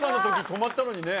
止まったのにね。